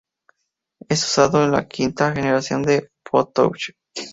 Es usado ya en la quinta generación de iPod touch.